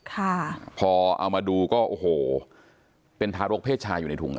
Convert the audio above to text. ค่ะพอเอามาดูก็โอ้โหเป็นทารกเพศชายอยู่ในถุง